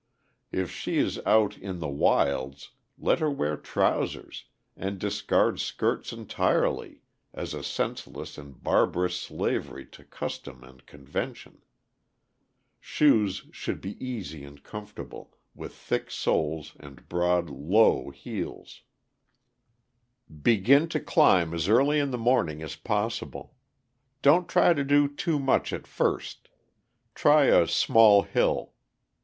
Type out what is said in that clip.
If she is out "in the wilds," let her wear trousers and discard skirts entirely as a senseless and barbarous slavery to custom and convention. Shoes should be easy and comfortable, with thick soles and broad, low heels. [Illustration: CLIMBING THE TRAILS IN THE CANYON OF THE HAVASU, ARIZONA.] Begin to climb as early in the morning as possible. Don't try to do too much at first. Try a small hill.